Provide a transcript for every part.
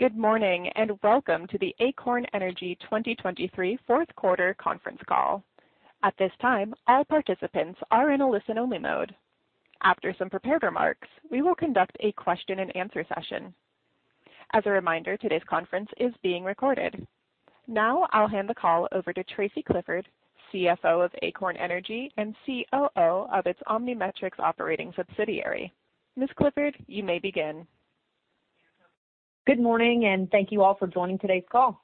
Good morning and welcome to the Acorn Energy 2023 Fourth Quarter Conference Call. At this time, all participants are in a listen-only mode. After some prepared remarks, we will conduct a question-and-answer session. As a reminder, today's conference is being recorded. Now I'll hand the call over to Tracy Clifford, CFO of Acorn Energy and COO of its OmniMetrix operating subsidiary. Ms. Clifford, you may begin. Good morning and thank you all for joining today's call.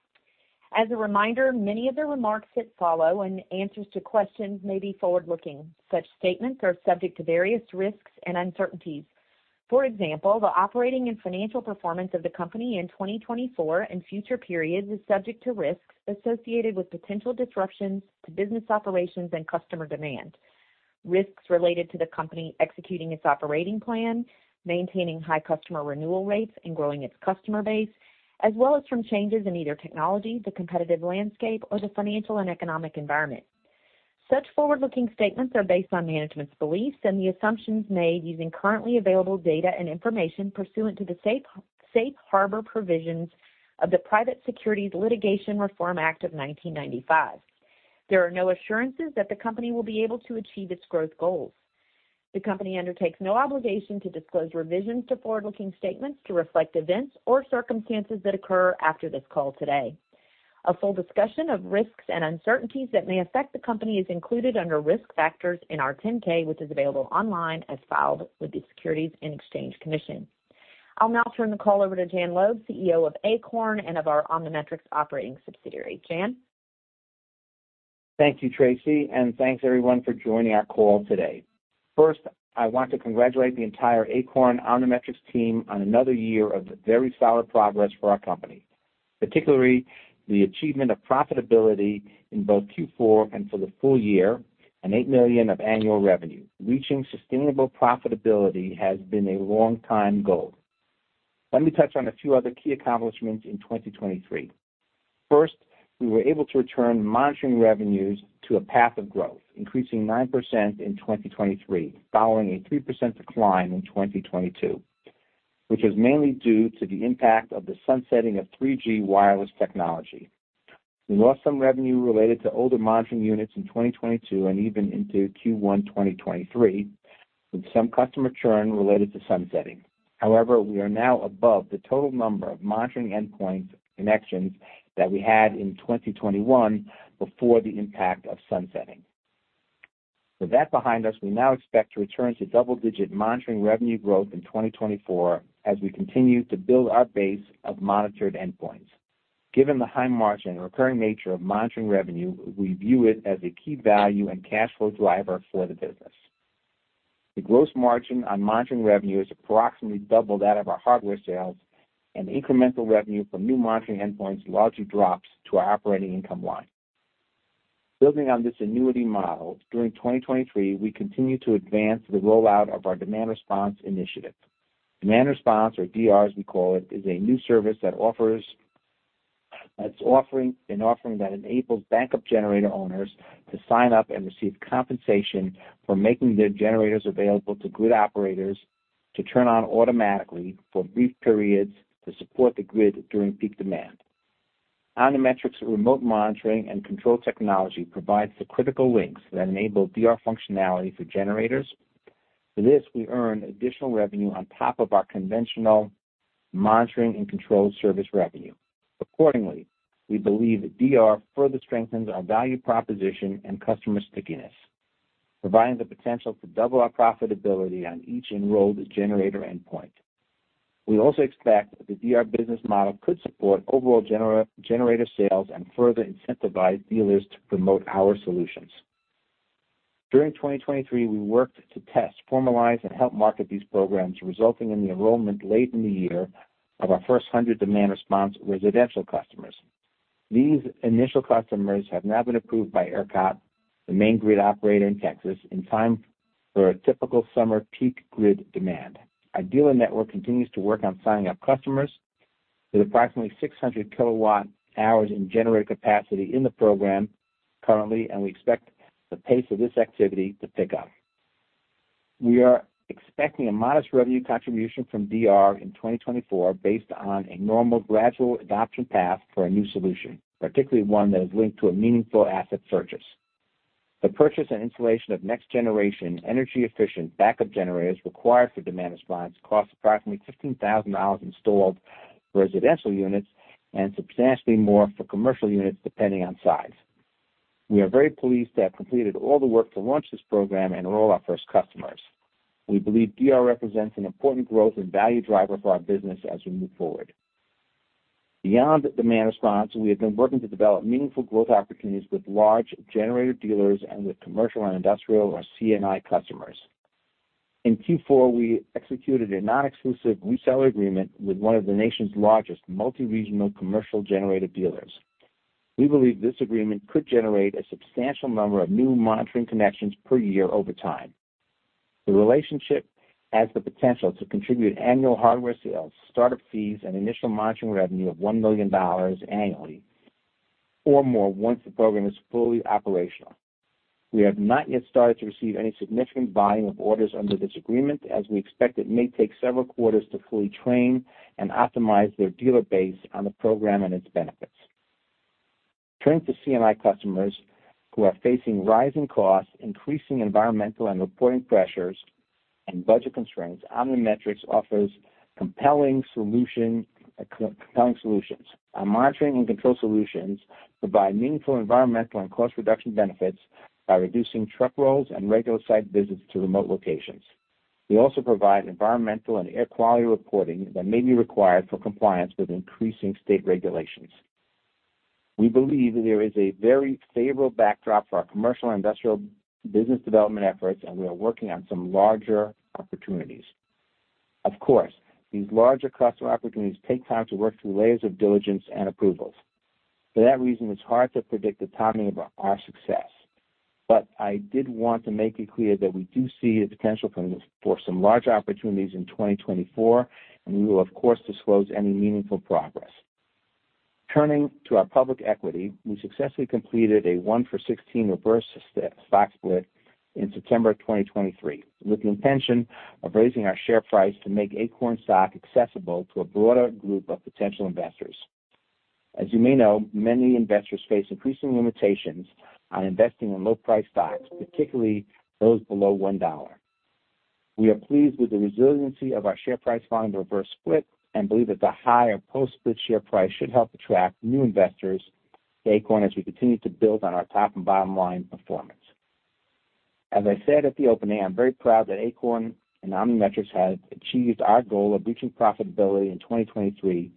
As a reminder, many of the remarks that follow and answers to questions may be forward-looking. Such statements are subject to various risks and uncertainties. For example, the operating and financial performance of the company in 2024 and future periods is subject to risks associated with potential disruptions to business operations and customer demand. Risks related to the company executing its operating plan, maintaining high customer renewal rates, and growing its customer base, as well as from changes in either technology, the competitive landscape, or the financial and economic environment. Such forward-looking statements are based on management's beliefs and the assumptions made using currently available data and information pursuant to the Safe Harbor provisions of the Private Securities Litigation Reform Act of 1995. There are no assurances that the company will be able to achieve its growth goals. The company undertakes no obligation to disclose revisions to forward-looking statements to reflect events or circumstances that occur after this call today. A full discussion of risks and uncertainties that may affect the company is included under Risk Factors in our 10-K, which is available online as filed with the Securities and Exchange Commission. I'll now turn the call over to Jan Loeb, CEO of Acorn and of our OmniMetrix operating subsidiary. Jan? Thank you, Tracy, and thanks everyone for joining our call today. First, I want to congratulate the entire Acorn OmniMetrix team on another year of very solid progress for our company, particularly the achievement of profitability in both Q4 and for the full year and $8 million of annual revenue. Reaching sustainable profitability has been a long-time goal. Let me touch on a few other key accomplishments in 2023. First, we were able to return monitoring revenues to a path of growth, increasing 9% in 2023 following a 3% decline in 2022, which was mainly due to the impact of the sunsetting of 3G wireless technology. We lost some revenue related to older monitoring units in 2022 and even into Q1 2023 with some customer churn related to sunsetting. However, we are now above the total number of monitoring endpoints connections that we had in 2021 before the impact of sunsetting. With that behind us, we now expect to return to double-digit monitoring revenue growth in 2024 as we continue to build our base of monitored endpoints. Given the high margin and recurring nature of monitoring revenue, we view it as a key value and cash flow driver for the business. The gross margin on monitoring revenue has approximately doubled that of our hardware sales, and incremental revenue from new monitoring endpoints largely drops to our operating income line. Building on this annuity model, during 2023, we continue to advance the rollout of our demand response initiative. Demand Response, or DR as we call it, is a new service that's offering an offering that enables backup generator owners to sign up and receive compensation for making their generators available to grid operators to turn on automatically for brief periods to support the grid during peak demand. OmniMetrix remote monitoring and control technology provides the critical links that enable DR functionality for generators. With this, we earn additional revenue on top of our conventional monitoring and control service revenue. Accordingly, we believe DR further strengthens our value proposition and customer stickiness, providing the potential to double our profitability on each enrolled generator endpoint. We also expect the DR business model could support overall generator sales and further incentivize dealers to promote our solutions. During 2023, we worked to test, formalize, and help market these programs, resulting in the enrollment late in the year of our first 100 demand response residential customers. These initial customers have now been approved by ERCOT, the main grid operator in Texas, in time for a typical summer peak grid demand. Our dealer network continues to work on signing up customers with approximately 600 kW in generator capacity in the program currently, and we expect the pace of this activity to pick up. We are expecting a modest revenue contribution from DR in 2024 based on a normal gradual adoption path for a new solution, particularly one that is linked to a meaningful asset purchase. The purchase and installation of next-generation energy-efficient backup generators required for demand response costs approximately $15,000 in installed residential units and substantially more for commercial units depending on size. We are very pleased to have completed all the work to launch this program and enroll our first customers. We believe DR represents an important growth and value driver for our business as we move forward. Beyond demand response, we have been working to develop meaningful growth opportunities with large generator dealers and with commercial and industrial, or C&I, customers. In Q4, we executed a non-exclusive reseller agreement with one of the nation's largest multi-regional commercial generator dealers. We believe this agreement could generate a substantial number of new monitoring connections per year over time. The relationship has the potential to contribute annual hardware sales, startup fees, and initial monitoring revenue of $1 million annually or more once the program is fully operational. We have not yet started to receive any significant volume of orders under this agreement, as we expect it may take several quarters to fully train and optimize their dealer base on the program and its benefits. Turning to C&I customers who are facing rising costs, increasing environmental and reporting pressures, and budget constraints, OmniMetrix offers compelling solutions. Our monitoring and control solutions provide meaningful environmental and cost reduction benefits by reducing truck rolls and regular site visits to remote locations. We also provide environmental and air quality reporting that may be required for compliance with increasing state regulations. We believe there is a very favorable backdrop for our commercial and industrial business development efforts, and we are working on some larger opportunities. Of course, these larger customer opportunities take time to work through layers of diligence and approvals. For that reason, it's hard to predict the timing of our success. I did want to make it clear that we do see the potential for some larger opportunities in 2024, and we will, of course, disclose any meaningful progress. Turning to our public equity, we successfully completed a 1-for-16 reverse stock split in September of 2023 with the intention of raising our share price to make Acorn stock accessible to a broader group of potential investors. As you may know, many investors face increasing limitations on investing in low-priced stocks, particularly those below $1. We are pleased with the resiliency of our share price following the reverse split and believe that the higher post-split share price should help attract new investors to Acorn as we continue to build on our top and bottom line performance. As I said at the opening, I'm very proud that Acorn and OmniMetrix have achieved our goal of reaching profitability in 2023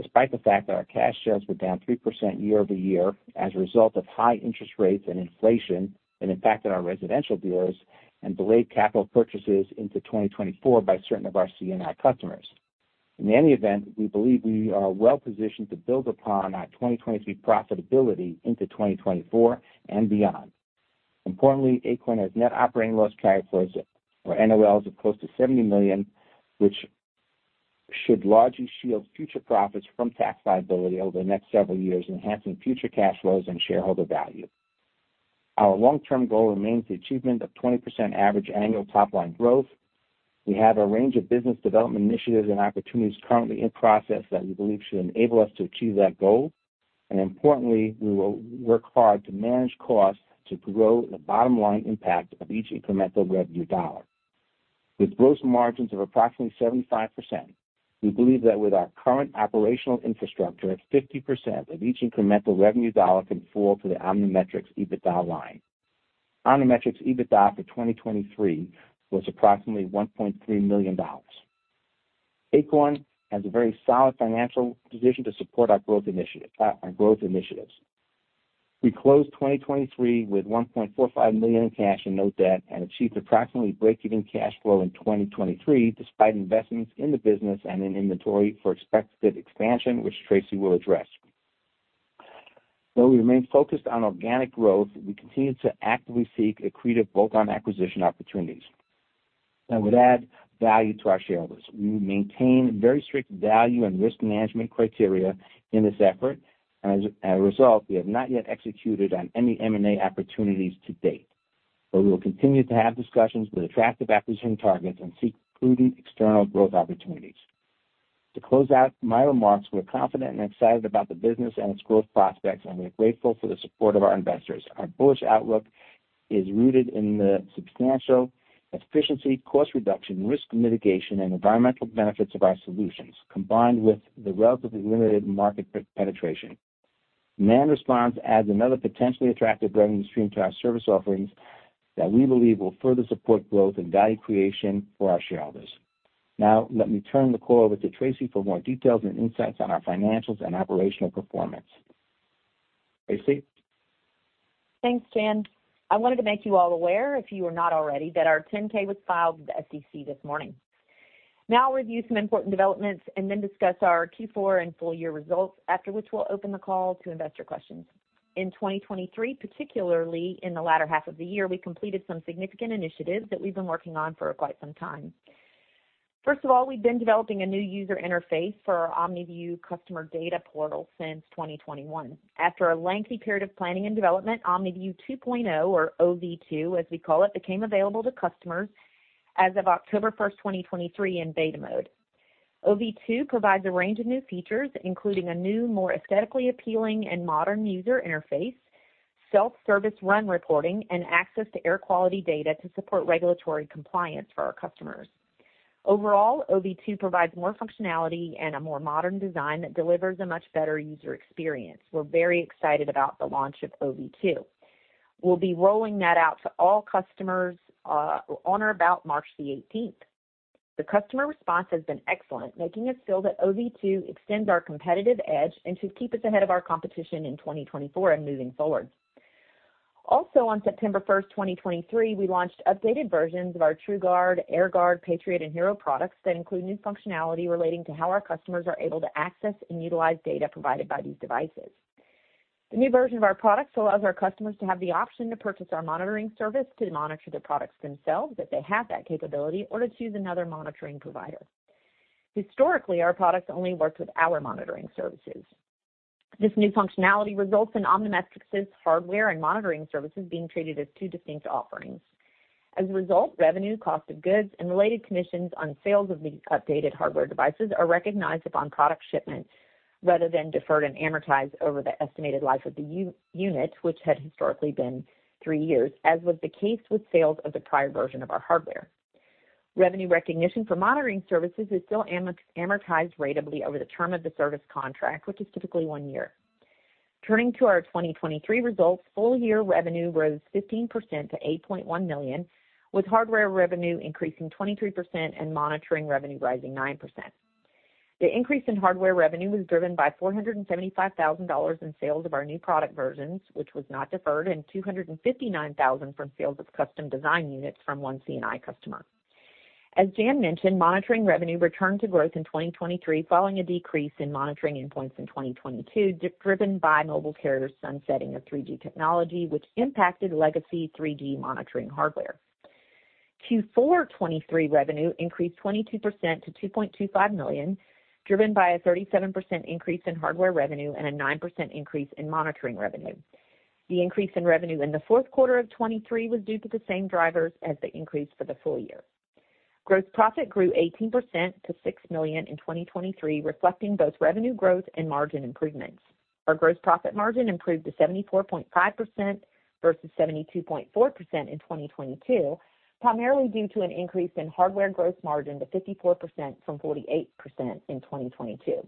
despite the fact that our cash shares were down 3% year-over-year as a result of high interest rates and inflation that impacted our residential dealers and delayed capital purchases into 2024 by certain of our C&I customers. In any event, we believe we are well positioned to build upon our 2023 profitability into 2024 and beyond. Importantly, Acorn has net operating loss carryforwards or NOLs of close to $70 million, which should largely shield future profits from tax liability over the next several years, enhancing future cash flows and shareholder value. Our long-term goal remains the achievement of 20% average annual top-line growth. We have a range of business development initiatives and opportunities currently in process that we believe should enable us to achieve that goal. Importantly, we will work hard to manage costs to grow the bottom line impact of each incremental revenue dollar. With gross margins of approximately 75%, we believe that with our current operational infrastructure, 50% of each incremental revenue dollar can fall to the OmniMetrix EBITDA line. OmniMetrix EBITDA for 2023 was approximately $1.3 million. Acorn has a very solid financial position to support our growth initiatives. We closed 2023 with $1.45 million in cash and no debt and achieved approximately break-even cash flow in 2023 despite investments in the business and in inventory for expected expansion, which Tracy will address. Though we remain focused on organic growth, we continue to actively seek accretive bolt-on acquisition opportunities that would add value to our shareholders. We maintain very strict value and risk management criteria in this effort. As a result, we have not yet executed on any M&A opportunities to date, but we will continue to have discussions with attractive acquisition targets and seek prudent external growth opportunities. To close out my remarks, we're confident and excited about the business and its growth prospects, and we're grateful for the support of our investors. Our bullish outlook is rooted in the substantial efficiency, cost reduction, risk mitigation, and environmental benefits of our solutions combined with the relatively limited market penetration. Demand response adds another potentially attractive revenue stream to our service offerings that we believe will further support growth and value creation for our shareholders. Now, let me turn the call over to Tracy for more details and insights on our financials and operational performance. Tracy? Thanks, Jan. I wanted to make you all aware, if you are not already, that our 10-K was filed with the SEC this morning. Now, I'll review some important developments and then discuss our Q4 and full-year results, after which we'll open the call to investor questions. In 2023, particularly in the latter half of the year, we completed some significant initiatives that we've been working on for quite some time. First of all, we've been developing a new user interface for our OmniView customer data portal since 2021. After a lengthy period of planning and development, OmniView 2.0, or OV2 as we call it, became available to customers as of October 1st, 2023, in beta mode. OV2 provides a range of new features, including a new, more aesthetically appealing and modern user interface, self-service run reporting, and access to air quality data to support regulatory compliance for our customers. Overall, OV2 provides more functionality and a more modern design that delivers a much better user experience. We're very excited about the launch of OV2. We'll be rolling that out to all customers on or about March the 18th. The customer response has been excellent, making us feel that OV2 extends our competitive edge and should keep us ahead of our competition in 2024 and moving forward. Also, on September 1st, 2023, we launched updated versions of our TrueGuard, AirGuard, Patriot, and Hero products that include new functionality relating to how our customers are able to access and utilize data provided by these devices. The new version of our products allows our customers to have the option to purchase our monitoring service to monitor their products themselves if they have that capability or to choose another monitoring provider. Historically, our products only worked with our monitoring services. This new functionality results in OmniMetrix's hardware and monitoring services being treated as two distinct offerings. As a result, revenue, cost of goods, and related commissions on sales of the updated hardware devices are recognized upon product shipment rather than deferred and amortized over the estimated life of the unit, which had historically been three years, as was the case with sales of the prior version of our hardware. Revenue recognition for monitoring services is still amortized ratably over the term of the service contract, which is typically one year. Turning to our 2023 results, full-year revenue rose 15% to $8.1 million, with hardware revenue increasing 23% and monitoring revenue rising 9%. The increase in hardware revenue was driven by $475,000 in sales of our new product versions, which was not deferred, and $259,000 from sales of custom design units from one C&I customer. As Jan mentioned, monitoring revenue returned to growth in 2023 following a decrease in monitoring endpoints in 2022 driven by mobile carriers' sunsetting of 3G technology, which impacted legacy 3G monitoring hardware. Q4 2023 revenue increased 22% to $2.25 million, driven by a 37% increase in hardware revenue and a 9% increase in monitoring revenue. The increase in revenue in the fourth quarter of 2023 was due to the same drivers as the increase for the full year. Gross profit grew 18% to $6 million in 2023, reflecting both revenue growth and margin improvements. Our gross profit margin improved to 74.5% versus 72.4% in 2022, primarily due to an increase in hardware gross margin to 54% from 48% in 2022.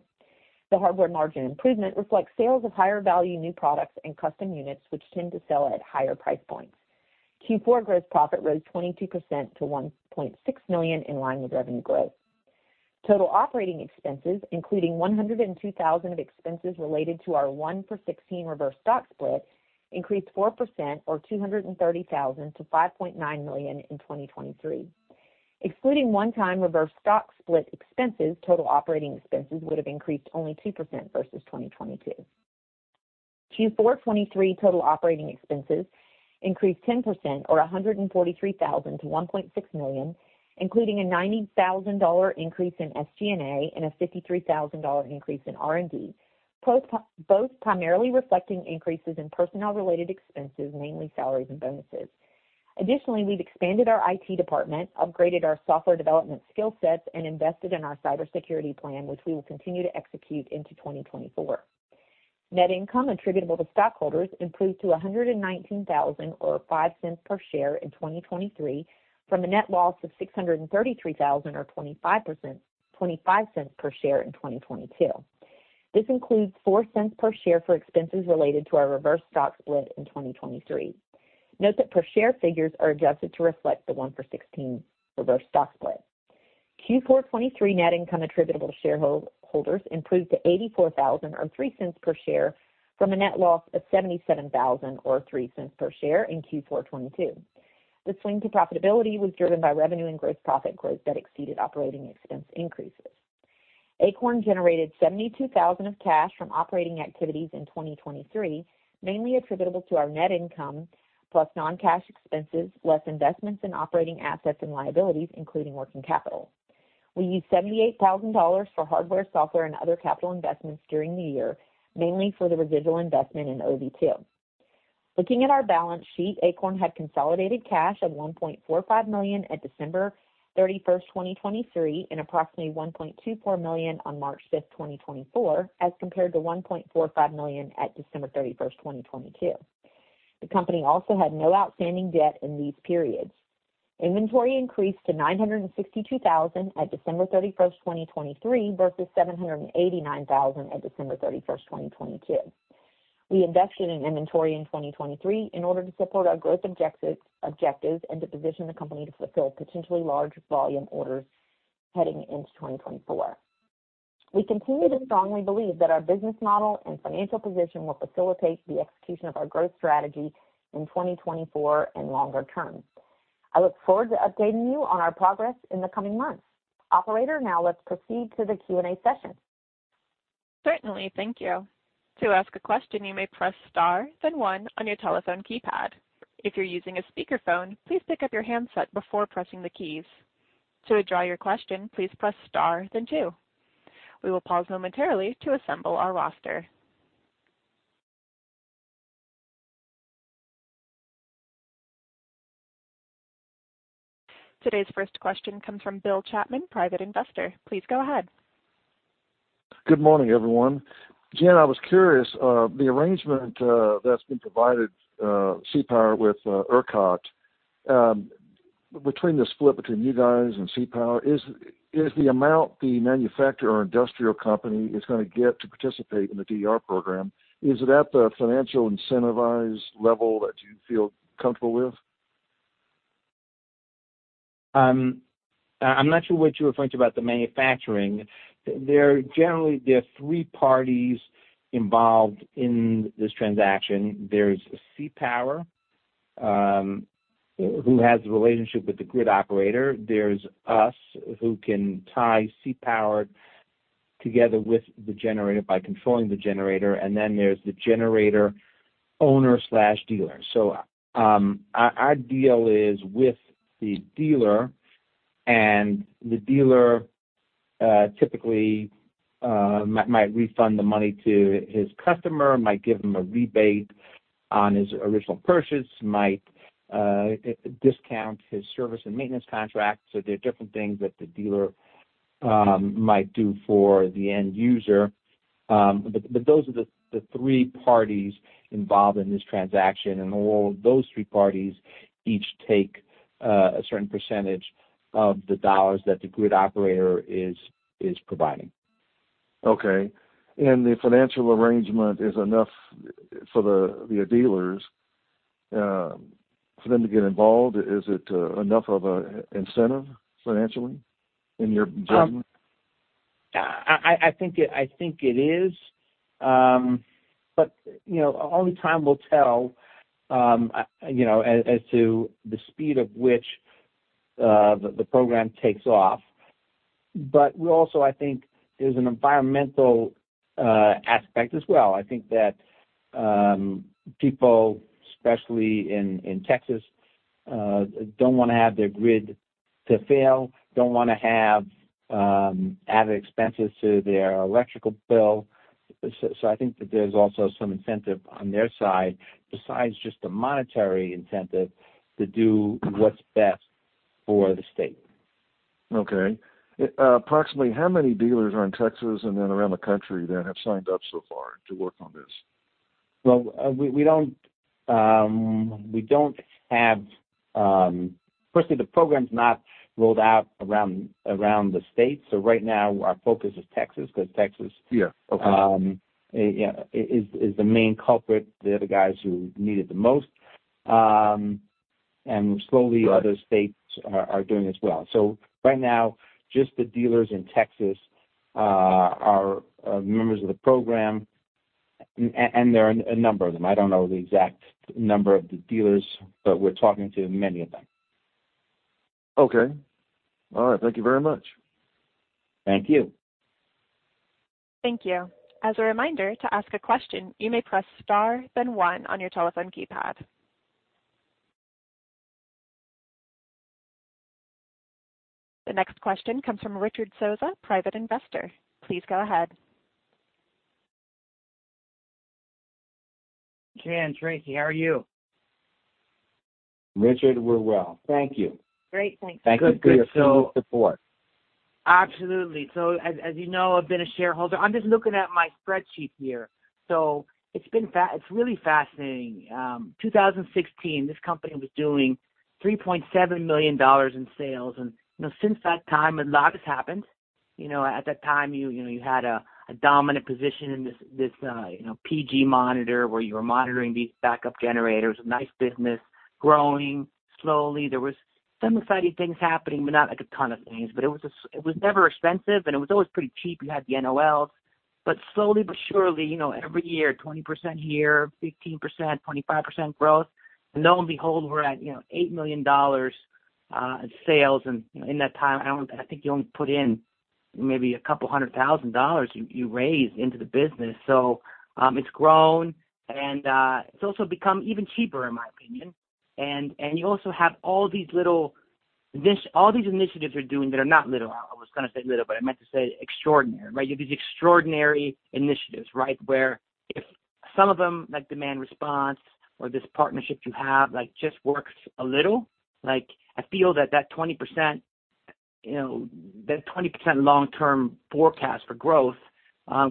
The hardware margin improvement reflects sales of higher-value new products and custom units, which tend to sell at higher price points. Q4 gross profit rose 22% to $1.6 million in line with revenue growth. Total operating expenses, including $102,000 of expenses related to our 1-for-16 reverse stock split, increased 4%, or $230,000, to $5.9 million in 2023. Excluding one-time reverse stock split expenses, total operating expenses would have increased only 2% versus 2022. Q4 '23 total operating expenses increased 10%, or $143,000, to $1.6 million, including a $90,000 increase in SG&A and a $53,000 increase in R&D, both primarily reflecting increases in personnel-related expenses, mainly salaries and bonuses. Additionally, we've expanded our IT department, upgraded our software development skill sets, and invested in our cybersecurity plan, which we will continue to execute into 2024. Net income attributable to stockholders improved to $119,000, or $0.05 per share in 2023, from a net loss of $633,000, or $0.25 per share in 2022. This includes $0.04 per share for expenses related to our reverse stock split in 2023. Note that per share figures are adjusted to reflect the 1-for-16 reverse stock split. Q4 2023 net income attributable to shareholders improved to $0.84, or $0.03 per share, from a net loss of $77,000, or $0.03 per share in Q4 2022. The swing to profitability was driven by revenue and gross profit growth that exceeded operating expense increases. Acorn generated $72,000 of cash from operating activities in 2023, mainly attributable to our net income plus non-cash expenses, less investments in operating assets and liabilities, including working capital. We used $78,000 for hardware, software, and other capital investments during the year, mainly for the residual investment in OV2. Looking at our balance sheet, Acorn had consolidated cash of $1.45 million at December 31st, 2023, and approximately $1.24 million on March 5th, 2024, as compared to $1.45 million at December 31st, 2022. The company also had no outstanding debt in these periods. Inventory increased to $962,000 at December 31st, 2023, versus $789,000 at December 31st, 2022. We invested in inventory in 2023 in order to support our growth objectives and to position the company to fulfill potentially large volume orders heading into 2024. We continue to strongly believe that our business model and financial position will facilitate the execution of our growth strategy in 2024 and longer term. I look forward to updating you on our progress in the coming months. Operator, now let's proceed to the Q&A session. Certainly. Thank you. To ask a question, you may press star, then one, on your telephone keypad. If you're using a speakerphone, please pick up your handset before pressing the keys. To address your question, please press star, then two. We will pause momentarily to assemble our roster. Today's first question comes from Bill Chapman, private investor. Please go ahead. Good morning, everyone. Jan, I was curious, the arrangement that's been provided, CPower with ERCOT, between the split between you guys and CPower, is the amount the manufacturer or industrial company is going to get to participate in the DER program, is it at the financial incentivized level that you feel comfortable with? I'm not sure what you were referring to about the manufacturing. Generally, there are three parties involved in this transaction. There's CPower, who has the relationship with the grid operator. There's us, who can tie CPower together with the generator by controlling the generator. And then there's the generator owner/dealer. So our deal is with the dealer, and the dealer typically might refund the money to his customer, might give him a rebate on his original purchase, might discount his service and maintenance contract. So there are different things that the dealer might do for the end user. But those are the three parties involved in this transaction, and all those three parties each take a certain percentage of the dollars that the grid operator is providing. Okay. And the financial arrangement is enough for the dealers for them to get involved? Is it enough of an incentive financially, in your judgment? I think it is, but only time will tell as to the speed of which the program takes off. But also, I think there's an environmental aspect as well. I think that people, especially in Texas, don't want to have their grid to fail, don't want to have added expenses to their electrical bill. So I think that there's also some incentive on their side, besides just the monetary incentive, to do what's best for the state. Okay. Approximately how many dealers are in Texas and then around the country that have signed up so far to work on this? Well, we don't have firstly, the program's not rolled out around the state. So right now, our focus is Texas because Texas is the main culprit. They're the guys who need it the most. And slowly, other states are doing as well. So right now, just the dealers in Texas are members of the program, and there are a number of them. I don't know the exact number of the dealers, but we're talking to many of them. Okay. All right. Thank you very much. Thank you. Thank you. As a reminder, to ask a question, you may press star, then one, on your telephone keypad. The next question comes from Richard Sosa, private investor. Please go ahead. Jan, Tracy, how are you? Richard, we're well. Thank you. Great. Thanks. Good to see your support. Absolutely. So as you know, I've been a shareholder. I'm just looking at my spreadsheet here. So it's really fascinating. 2016, this company was doing $3.7 million in sales. And since that time, a lot has happened. At that time, you had a dominant position in this PG monitor where you were monitoring these backup generators. A nice business, growing slowly. There were some exciting things happening, but not a ton of things. But it was never expensive, and it was always pretty cheap. You had the NOLs. But slowly but surely, every year, 20% here, 15%, 25% growth. And lo and behold, we're at $8 million in sales. And in that time, I think you only put in maybe $200,000 you raise into the business. So it's grown, and it's also become even cheaper, in my opinion. You also have all these little all these initiatives you're doing that are not little. I was going to say little, but I meant to say extraordinary, right? You have these extraordinary initiatives, right, where if some of them, like demand response or this partnership you have, just works a little, I feel that that 20% long-term forecast for growth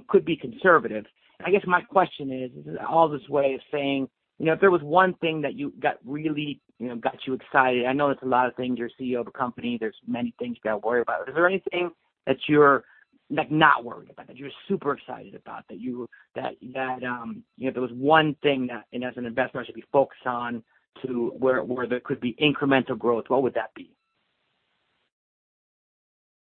could be conservative. I guess my question is, is it all this way of saying if there was one thing that got really excited I know there's a lot of things. You're a CEO of a company. There's many things you got to worry about. Is there anything that you're not worried about, that you're super excited about, that there was one thing that, as an investor, I should be focused on to where there could be incremental growth, what would that be?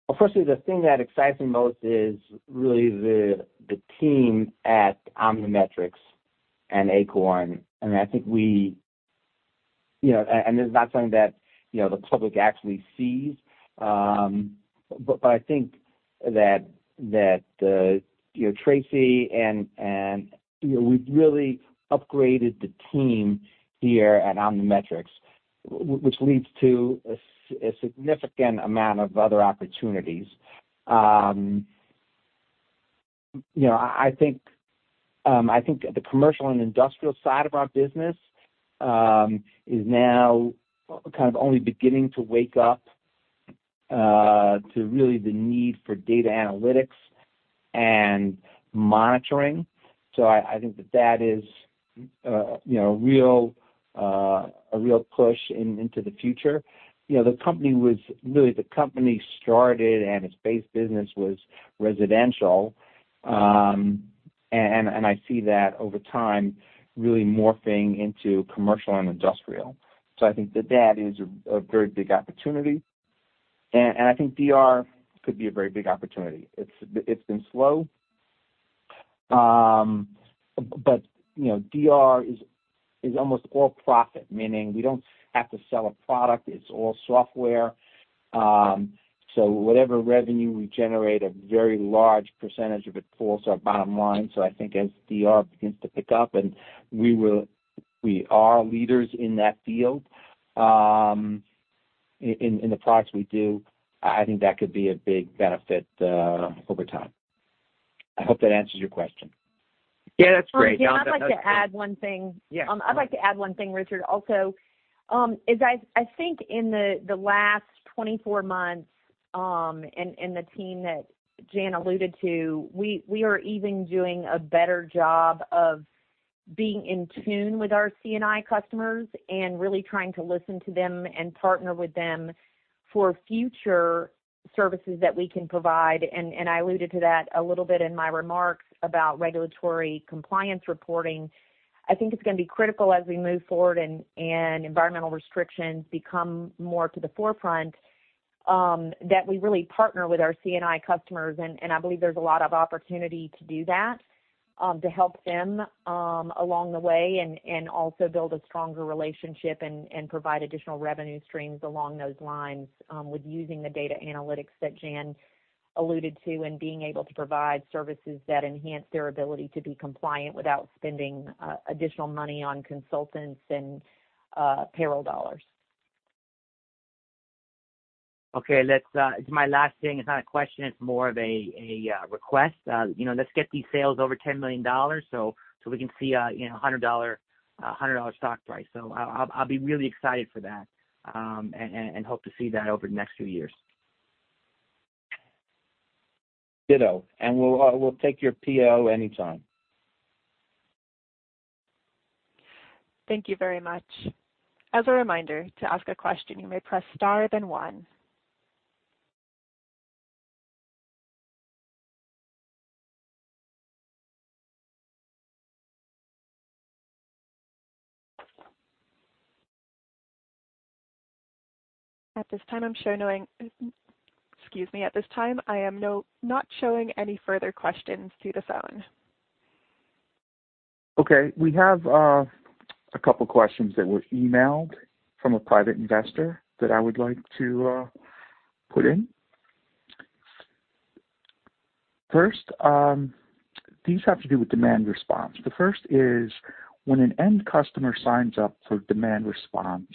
Well, firstly, the thing that excites me most is really the team at OmniMetrix and Acorn. I mean, I think we and this is not something that the public actually sees, but I think that Tracy and we've really upgraded the team here at OmniMetrix, which leads to a significant amount of other opportunities. I think the commercial and industrial side of our business is now kind of only beginning to wake up to really the need for data analytics and monitoring. So I think that that is a real push into the future. Really, the company started, and its base business was residential. And I see that over time really morphing into commercial and industrial. So I think that that is a very big opportunity. And I think DER could be a very big opportunity. It's been slow, but DER is almost all profit, meaning we don't have to sell a product. It's all software. So whatever revenue we generate, a very large percentage of it falls to our bottom line. So I think as DER begins to pick up and we are leaders in that field in the products we do, I think that could be a big benefit over time. I hope that answers your question. Yeah, that's great. Jan, that was. I'd like to add one thing. I'd like to add one thing, Richard. Also, I think in the last 24 months and the team that Jan alluded to, we are even doing a better job of being in tune with our C&I customers and really trying to listen to them and partner with them for future services that we can provide. I alluded to that a little bit in my remarks about regulatory compliance reporting. I think it's going to be critical as we move forward and environmental restrictions become more to the forefront that we really partner with our C&I customers. I believe there's a lot of opportunity to do that, to help them along the way and also build a stronger relationship and provide additional revenue streams along those lines with using the data analytics that Jan alluded to and being able to provide services that enhance their ability to be compliant without spending additional money on consultants and payroll dollars. Okay. It's my last thing. It's not a question. It's more of a request. Let's get these sales over $10 million so we can see a $100 stock price. So I'll be really excited for that and hope to see that over the next few years. You know. And we'll take your PO anytime. Thank you very much. As a reminder, to ask a question, you may press star, then one. At this time, I'm showing, excuse me. At this time, I am not showing any further questions through the phone. Okay. We have a couple of questions that were emailed from a private investor that I would like to put in. First, these have to do with demand response. The first is, when an end customer signs up for demand response,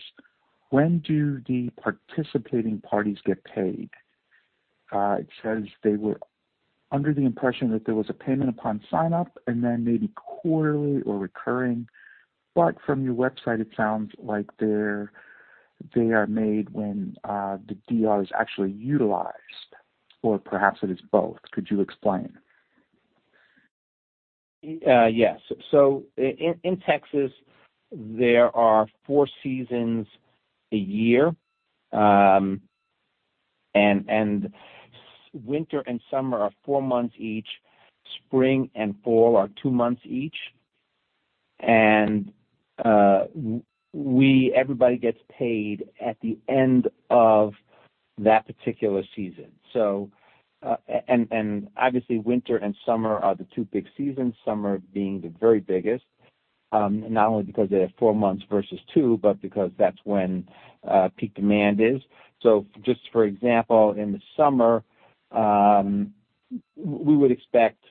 when do the participating parties get paid? It says they were under the impression that there was a payment upon signup and then maybe quarterly or recurring. But from your website, it sounds like they are made when the DER is actually utilized, or perhaps it is both. Could you explain? Yes. So in Texas, there are four seasons a year. Winter and summer are four months each. Spring and fall are two months each. Everybody gets paid at the end of that particular season. Obviously, winter and summer are the two big seasons, summer being the very biggest, not only because they have four months versus two, but because that's when peak demand is. So just for example, in the summer, we would expect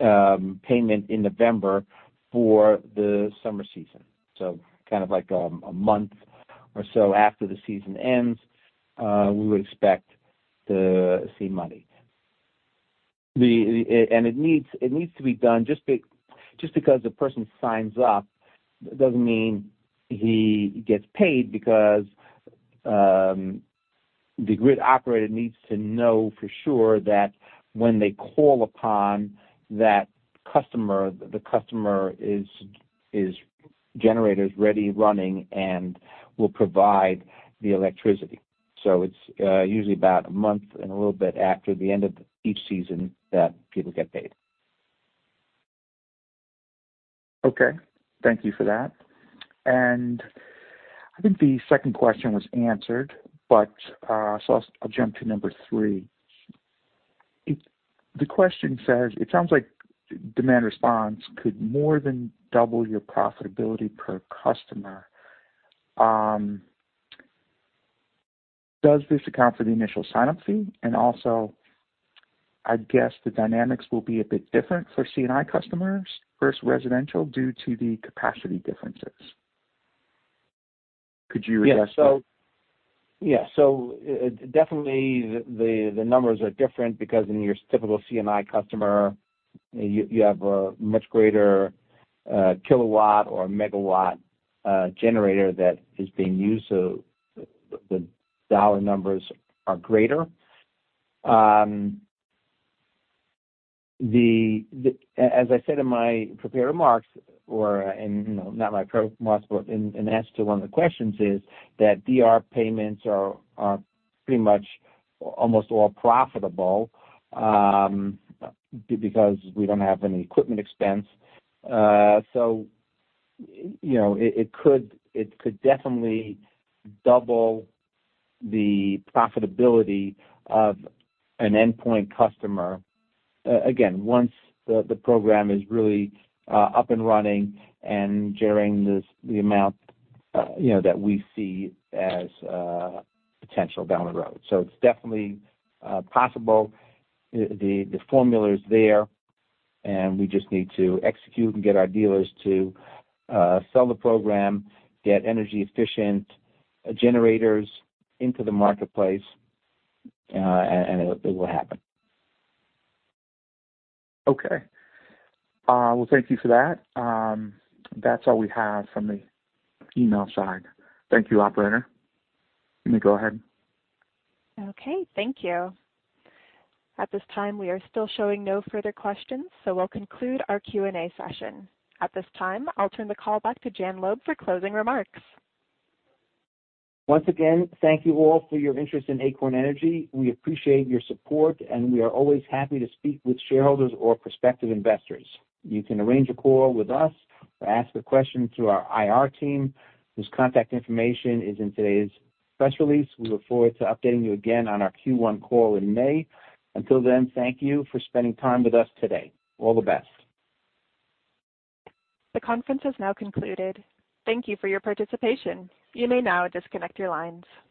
payment in November for the summer season. Kind of like a month or so after the season ends, we would expect to see money. It needs to be done just because a person signs up doesn't mean he gets paid because the grid operator needs to know for sure that when they call upon that customer, the customer's generator is ready, running, and will provide the electricity. It's usually about a month and a little bit after the end of each season that people get paid. Okay. Thank you for that. And I think the second question was answered, but I'll jump to number three. The question says, "It sounds like demand response could more than double your profitability per customer. Does this account for the initial signup fee? And also, I guess the dynamics will be a bit different for C&I customers versus residential due to the capacity differences." Could you address that? Yeah. So definitely, the numbers are different because in your typical C&I customer, you have a much greater kilowatt or megawatt generator that is being used. So the dollar numbers are greater. As I said in my prepared remarks or not my prepared remarks, but in answer to one of the questions, is that DER payments are pretty much almost all profitable because we don't have any equipment expense. So it could definitely double the profitability of an endpoint customer, again, once the program is really up and running and generating the amount that we see as potential down the road. So it's definitely possible. The formula is there, and we just need to execute and get our dealers to sell the program, get energy-efficient generators into the marketplace, and it will happen. Okay. Well, thank you for that. That's all we have from the email side. Thank you, operator. You may go ahead. Okay. Thank you. At this time, we are still showing no further questions, so we'll conclude our Q&A session. At this time, I'll turn the call back to Jan Loeb for closing remarks. Once again, thank you all for your interest in Acorn Energy. We appreciate your support, and we are always happy to speak with shareholders or prospective investors. You can arrange a call with us or ask a question through our IR team, whose contact information is in today's press release. We look forward to updating you again on our Q1 call in May. Until then, thank you for spending time with us today. All the best. The conference has now concluded. Thank you for your participation. You may now disconnect your lines.